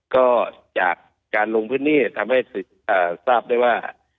ก็จากการลงพื้นที่ทำให้ทราบได้ว่า